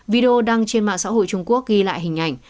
video đăng trên mạng xã hội trung quốc ghi lại hình ảnh